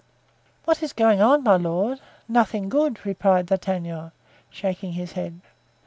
"What is going on, my lord? nothing good," replied D'Artagnan, shaking his head.